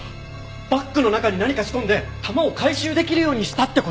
バッグの中に何か仕込んで弾を回収できるようにしたって事？